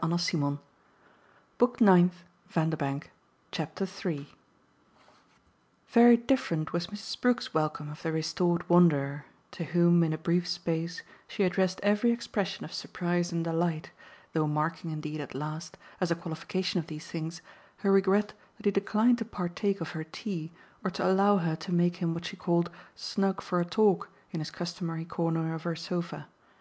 "How d'ye do, Mitchy? At home? Oh rather!" III Very different was Mrs. Brook's welcome of the restored wanderer to whom, in a brief space, she addressed every expression of surprise and delight, though marking indeed at last, as a qualification of these things, her regret that he declined to partake of her tea or to allow her to make him what she called "snug for a talk" in his customary corner of her sofa.